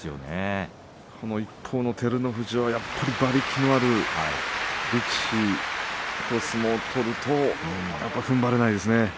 一方の照ノ富士はやっぱり馬力のある力士と相撲を取るとふんばれないですね。